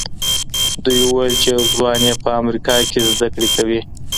دوی وويل چې يو ځوان يې په امريکا کې زده کړې کوي.